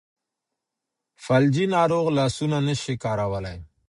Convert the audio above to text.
فلجي ناروغ لاسونه نشي کارولی.